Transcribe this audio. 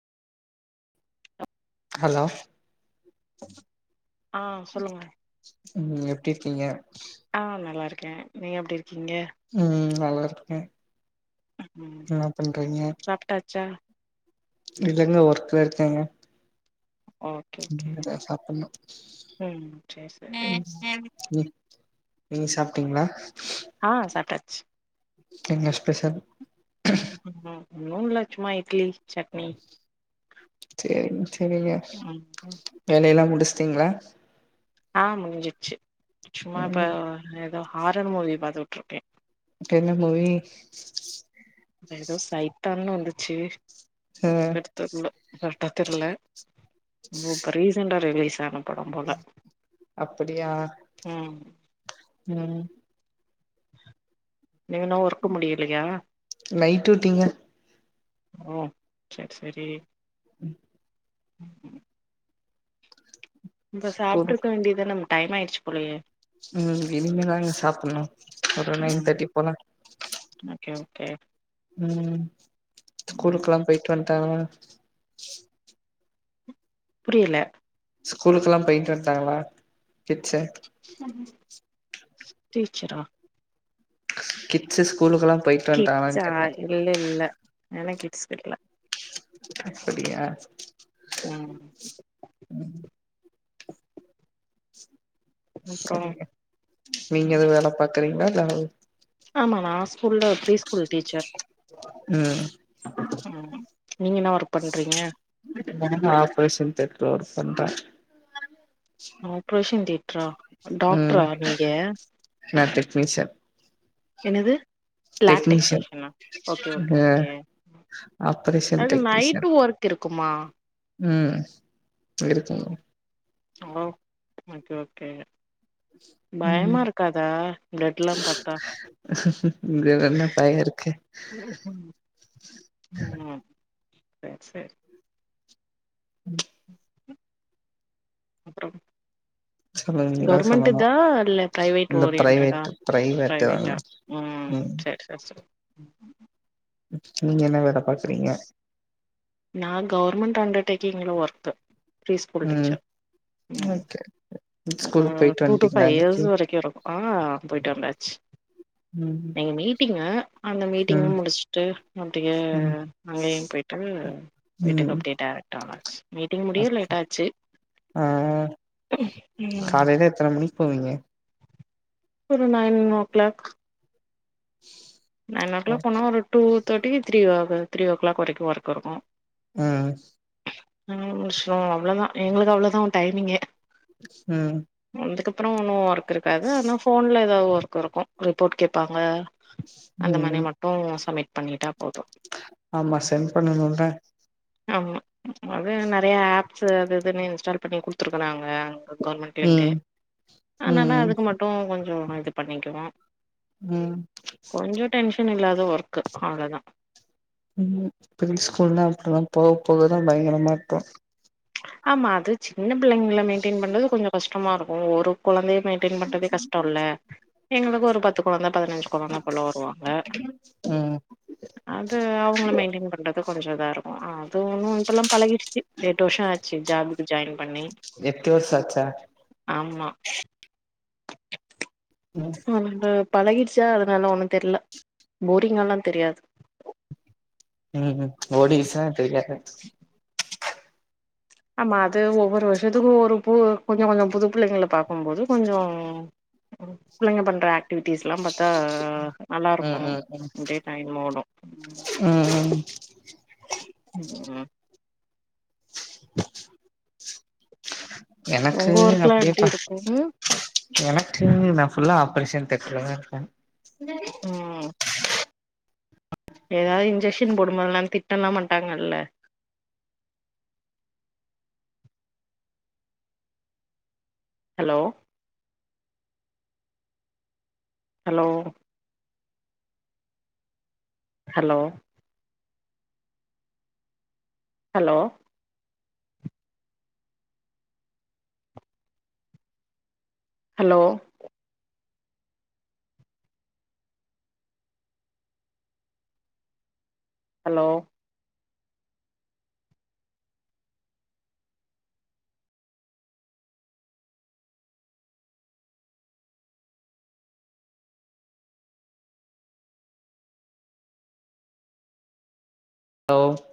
Hello ஆ சொல்லுங்க நீங்க எப்டி இருக்கீங்க ஆ நல்லாருக்கே நீங்க எப்டி இருக்கீங்க ம் நல்லா இருக்கே என்ன பண்றீங்க ச்சா இல்லங்க ஒர்க்ல இருக்கேங்க ஓகே ஓகே இனிமே தா சாப்ட்ணு ம் சேரி ம் சேரி ம் நீங்க சாப்ட்டீங்களா ஆ சாப்டாச்சு என்ன ஸ்பெஷல் ஒண்னு இல்ல சும்மா இட்லி சட்னி சேரிங்க சேரிங்க ம் வேலைல்லா முடிச்சுட்டீங்களா ஆ முடிஞ்சிடுச்சு சும்மா இப்போ ம் ஏதோ ஹாரர் மூவி பாத்துட்ருக்கே என்ன மூவி ஏதோ சைத்தான்னு வந்துச்சு ஆ தெர்ல கரெக்ட்டா தெரில இப்போ ரீசண்ட்டா ரிலீஸ் ஆன படோ அப்படியா ம் ம் ஏ இன்னும் ஒர்க் முடியலையா நைட் டியூட்டிங்க ஓ சரி சரி ம் இப்ப சாப்ட்டுருக்க ஸ்கூலுக்கு வேண்டிய தான டைம் ஆயிச்சு போலயே ம் இனிமே தாங்க சாப்டணு ஒரு நைன் ம் தேட்டி போல ஓகே ஓகே ம் ம் ஸ்கூலுக்கெல்லா போயிட்டு வந்துட்டாங்களா புரியல ஸ்கூலுக்குல்லா பேயிட்டு வந்டாங்ளா கிட்ஸு டீச்சரா கிட்ஸு ஸ்கூல்லுக்கெல்லா கிட்ஸா இல்ல இல்ல எனக் கிட்ஸ் கெடக்கல்ல அப்படியா ம் அப்றோ சரிங்க நீங்க எது வேல பாக்குறீங்ளா இல்ல ஹவ் ஆமா நா ஸ்கூல்ல ப்ரீ ஸ்கூல் டீச்சர் ம் ம் நீங்க என்னா ஒர்க் பண்றீங்க நா என்ன ஆப்ரேஷன் தேட்டர்ல ஒர்க் பண்ற ஆப்ரேஷன் தேட்ரா ம் நா டெக்னிஷன் என்னது லேப் டெக்னீஷியன் டெக்னீஷனா ஓகே ஓகே அ ஓகே ஆப்ரேஷன் அது டெக்னீஷியன் நைட்டு் ஒர்க் இருக்குமா ம் இருக்குங்க ம் ஓகே ஓகே ம் பயமா இருக்காதா ப்ளெட் லா பாத்தா வேற என்ன டையோ இருக்கு ம் செர் செர் ம் அப்றோ சொல்லுங்க நீங்கதா சொல்லனோ இந்த பிரைவேட்டு பிரைவேட்டு வாங்க ம் [inaudible] நீங்க என்ன வேல பாக்குறீங்க நா கவர்மெண்ட் அண்டர்டேக்கிங்ல ஒர்க்கு பிரீ ஸ்கூல் ம் டீச்சர் ம் ஓகே ஒரு ஸ்கூலுக்கு போயிட்டு டூ டு வந்ட்டீங்களா ஃபைவ் இன்னைக்கு இயர்ஸ் வரைக்கோ இருக்கோ ஆ போய்ட்டு வந்தாச்சு ம் இங்க மீட்டிங்கு அந்த மீட்டிங்கு ம் முடுச்சுட்டு அப்டியே ம் அங்கேயு போயிட்டு வீட்டுக்கு ம் அப்டியே டேரக்ட்டா ஆச்சு மீட்டிங் முடியு லேட் ஆச்சு ஆ ம் காலையில எத்தன மணிக் போவீங்க? ஒரு nine o'clock nine o'clock போனா ஒரு டூ தேட்டி த்ரீ த்ரீ ஓ கிளாக் வரைக்கோ ஒர்க் இருக்கோ அ ஸ் ஆ சோ அவ்ளோதா எங்களுக்கு அவ்ளோதா டைமிங்கே ம் அதுக்கப்றோ ஒன்னு ஒர்க் இருக்காது ஆனா ஃபோன்ல எதா ஒர்க் இருக்கூ ரிப்போர்ட் கேப்பாங்க அந்த மாரி ம் மட்டூ சம்மிட் பண்ணிட்டா போது ஆமா சென்ட் பண்ணணுல்ல ஆமா அது நெறைய ஆப்சு அது இதுன்னு இன்ஸ்டால் பண்ணி குடுத்துருக்கறாங்க கவுர்மெண்ட்லேருந்து ம் ஆனால ம் அதுக்கு மட்டு கொஞ்சோ இது பண்ணிக்குவோ ம் கொஞ்சோ டென்ஷன் இல்லாத ஒர்க்கு அவ்ளோதா ம் ப்ரீ ஸ்கூல்லா அப்டிதா போக போகதா பயங்கரமா இருப்போ ஆமா அது சின்ன பிள்ளைங்கல மெயின்டெயின் பண்றது கொஞ்சோ கஷ்டமா இருக்கூ ஒரு கொழந்தைய மெய்ன்டெய்ன் பண்றதே கஷ்டோல்ல எங்களுக்கு ஒரு பத்து கொழந்த பதினஞ்சு கொழந்த போல வருவாங்க ம் அது அவுங்கள மெயின்டெய்ன் பண்றது கொஞ்சொ இதா இருக்கு அது ஒன்னு இப்பல்லா பழகிருச்சு ஒரு எட்டு வர்ஷொ ஆ ச்சு ஜாபுக்கு ஜாயின் பண்ணி எட்டு வருஷோ ஆச்சா ஆமா ம் வந்து பழகிட்ச்சா அதுனால ஒன்னு தெர்ல போரிங்கால்லா தெரியாது ம் ஓடிருசுனா தெரியாது ஆமா அது ஒவ்வொரு வருஷத்துக்கு ஒரு பு கொஞ்சொ கொஞ்சொ புது புள்ளைங்கள பா க்கும்போது கொஞ்சோ புள்ளைங்க பண்ற ஆக்டிவிட்டிஸ்லா பா த்தா நல்லாருக்கு ம் ம் ம் அப்டியே டைம் ஓடு ம் ம் ம் எனக்கு உங்க ஒர்க்லா எப்டி அப்டியேப்பா இருக்கு எனக்கு நா ஃபுல்லா ஆப்ரேஷன் தேட்டர்லதா இருப்பே ம் ஏதா இன்ஜெக்ஷன் போடும்போதல்லா திட்டல்லா மாட்டாங்கல்ல hello hello hello hello hello hello hello